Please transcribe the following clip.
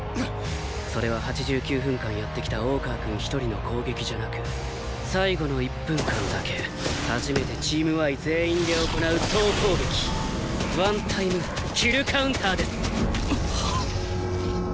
それは８９分間やってきた大川くん一人の攻撃じゃなく最後の１分間だけ初めてチームＹ全員で行う総攻撃ワンタイム・キル・カウンターです。